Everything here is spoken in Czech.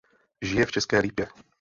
Žije v České Lípě.